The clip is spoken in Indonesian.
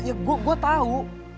iya gue tau